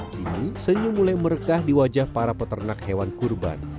kini senyum mulai merekah di wajah para peternak hewan kurban